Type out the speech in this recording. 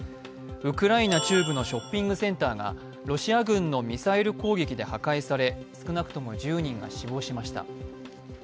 ウクライナ中部のショッピングセンターがロシア軍のミサイル攻撃で破壊され、少なくとも１０人が死亡しました。